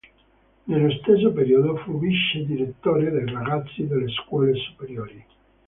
Nello stesso periodo fu vice direttore dei ragazzi delle scuole superiori.